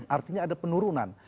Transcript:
artinya ada penurunan